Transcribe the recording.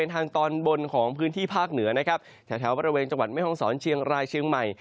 ทางตอนบนของพื้นที่ภาคเหนือนะครับแถวบริเวณจังหวัดแม่ห้องศรเชียงรายเชียงใหม่